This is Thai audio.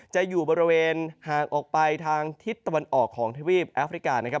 จะอยู่บริเวณห่างออกไปทางทิศตะวันออกของทวีปแอฟริกานะครับ